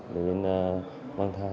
đến mang thai